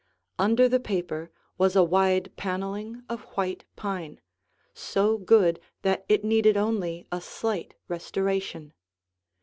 Under the paper was a wide paneling of white pine, so good that it needed only a slight restoration.